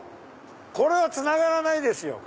これはつながらないですよ！